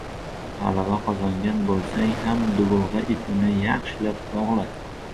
• G‘alaba qozongan bo‘lsang ham dubulg‘a ipini yaxshilab bog‘la.